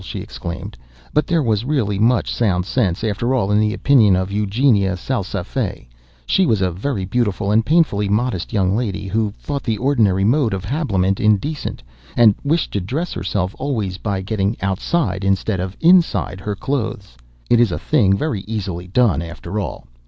she exclaimed, "but there was really much sound sense, after all, in the opinion of Eugénie Salsafette. She was a very beautiful and painfully modest young lady, who thought the ordinary mode of habiliment indecent, and wished to dress herself, always, by getting outside instead of inside of her clothes. It is a thing very easily done, after all.